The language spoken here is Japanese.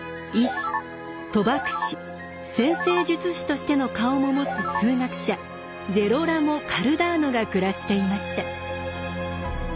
占星術師としての顔も持つ数学者ジェロラモ・カルダーノが暮らしていました。